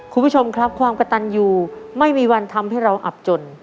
คุณผู้ชมครับความกระตันยูไม่มีวันทำให้เราอับจน